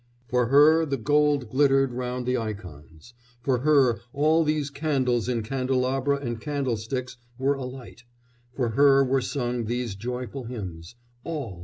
"For her the gold glittered round the icons; for her all these candles in candelabra and candlesticks were alight; for her were sung these joyful hymns.... All